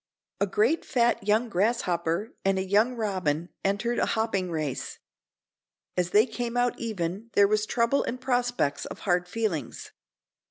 A great fat young grasshopper and a young robin entered a hopping race. As they came out even there was trouble and prospects of hard feelings.